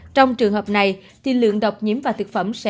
trong trường hợp này lượng độc nhiễm và thực hành của bữa ăn